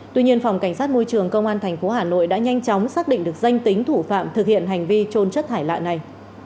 tuy nhiên phòng cảnh sát môi trường công an tp hà nội đã nhanh chóng xác định được danh tính thủ phạm thực hiện hành vi trôn chất thải lạ này